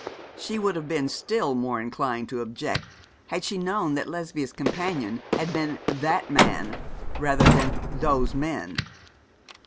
She would have been still more inclined to object had she known that Lesbia's companion had been 'that man' rather than 'those men.'